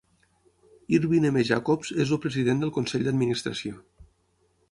Irwin M. Jacobs és el president del Consell d'Administració.